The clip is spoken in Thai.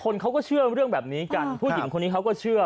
คนเขาก็เชื่อเรื่องแบบนี้กันผู้หญิงคนนี้เขาก็เชื่อ